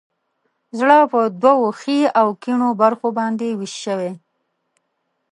زړه په دوو ښي او کیڼو برخو باندې ویش شوی.